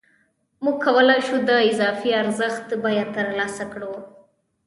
موږ کولای شو د اضافي ارزښت بیه ترلاسه کړو